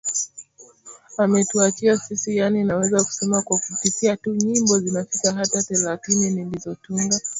Ametuachia sisi yaani naweza kusema kwa kukisia tu nyimbo zinafika hata thelathini nilizotunga